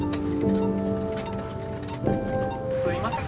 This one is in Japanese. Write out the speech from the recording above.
・すいません